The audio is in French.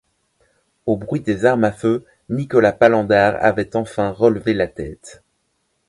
Au bruit des armes à feu, Nicolas Palander avait enfin relevé la tête.